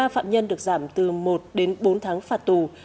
một mươi ba phạm nhân được giảm từ một đến bốn tháng phạt tù